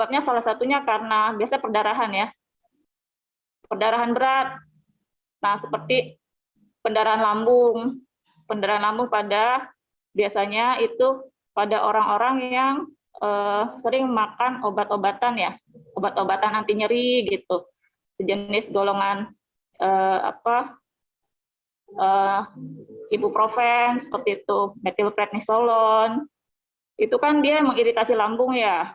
nah itu kan dia mengiritasi lambung ya